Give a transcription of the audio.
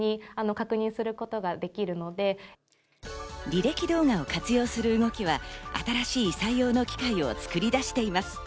履歴動画を活用する動きは新しい採用の機会を作り出しています。